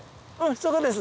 そこです。